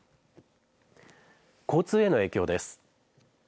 交通への影響です。